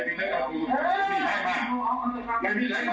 เจรจาต่อรองเงินไป๕ล้านแลกกับการปล่อยตัว